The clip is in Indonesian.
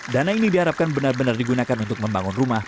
dana ini diharapkan benar benar digunakan untuk membangun rumah